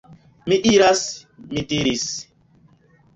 Mi iras! mi diris.